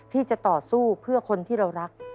ที่จะต่อสู้เพื่อคนที่เรารัก